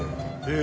え！